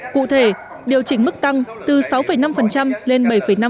cụ thể điều chỉnh mức tăng từ sáu năm lên bảy năm